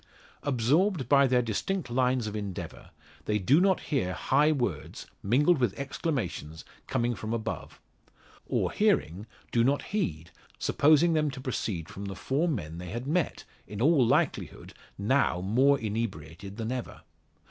Absorbed by their distinct lines of endeavour they do not hear high words, mingled with exclamations, coming from above; or hearing, do not heed, supposing them to proceed from the four men they had met, in all likelihood now more inebriated than ever.